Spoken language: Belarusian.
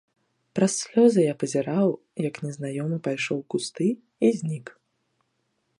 Праз слёзы я пазіраў, як незнаёмы пайшоў у кусты і знік.